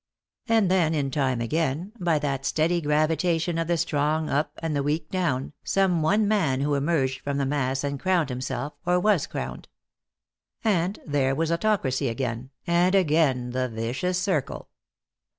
And then in time again, by that steady gravitation of the strong up and the weak down, some one man who emerged from the mass and crowned himself, or was crowned. And there was autocracy again, and again the vicious circle.